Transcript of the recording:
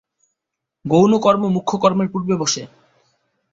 গৌণ কর্ম মুখ্য কর্মের পূর্বে বসে।